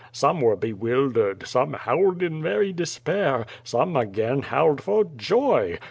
Some were bewildered, some howled in very despair, some again howled for joy.